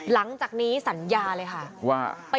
หลังจากนี้สัญญาเลยครับ